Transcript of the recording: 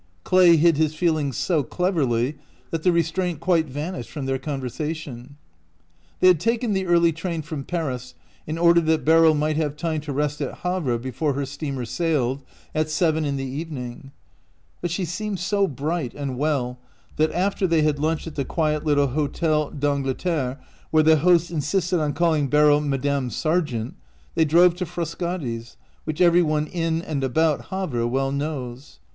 Clay hid his feelings so cleverly that the restraint quite vanished from their conversation. They had taken the early train from Paris, in order that Beryl might have time to rest at Havre before her steamer sailed, at seven in the evening ; but she seemed so bright and well that after they had lunched at the quiet little Hotel d 'Angleterre, where the host insisted on calling Beryl " Madame Sargent," they drove to Frascati's, which every one in and about Havre well knows.